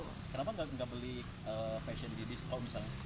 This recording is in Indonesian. kenapa nggak beli fashion di distro misalnya